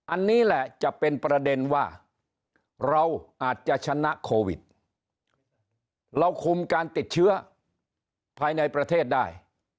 อันนี้แหละจะเป็นประเด็นว่าเราอาจจะชนะโควิดเราคุมการติดเชื้อภายในประเทศได้